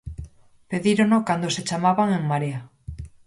Pedírono cando se chamaban En Marea.